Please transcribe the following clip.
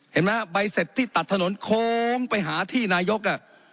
เห็นไหมใบเสร็จที่ตัดถนนโค้งไปหาที่นายก